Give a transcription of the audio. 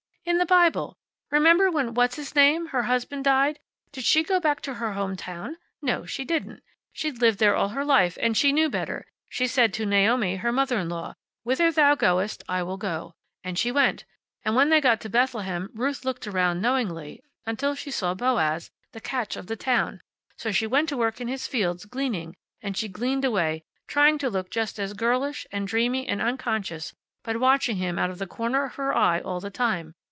"In the Bible. Remember when What's his name, her husband, died? Did she go back to her home town? No, she didn't. She'd lived there all her life, and she knew better. She said to Naomi, her mother in law, `Whither thou goest I will go.' And she went. And when they got to Bethlehem, Ruth looked around, knowingly, until she saw Boaz, the catch of the town. So she went to work in his fields, gleaning, and she gleaned away, trying to look just as girlish, and dreamy, and unconscious, but watching him out of the corner of her eye all the time.